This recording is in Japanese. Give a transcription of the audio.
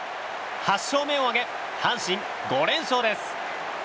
８勝目を挙げ阪神、５連勝です。